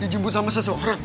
dijemput sama seseorang